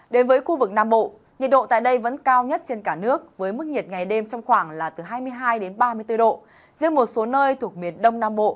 đến với khu vực nam bộ nhiệt độ cao nhất trên cả nước với mức nhiệt ngày đêm trong khoảng là từ hai mươi hai ba mươi bốn độ